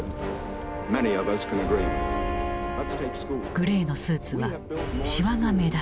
グレーのスーツはしわが目立った。